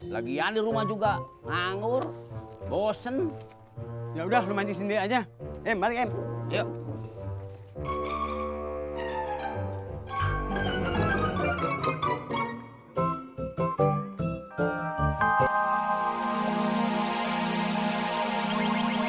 lagi ya di rumah juga nganggur bosen ya udah lo mancing sendiri aja emang em